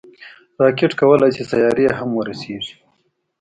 راکټ کولی شي سیارې هم ورسیږي